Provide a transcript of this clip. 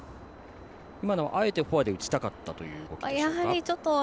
今のはあえて、フォアで打ちたかったという動きでしょうか。